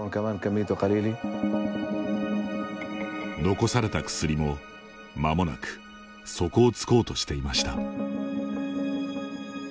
残された薬もまもなく底をつこうとしていました。